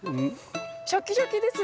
シャキシャキですね。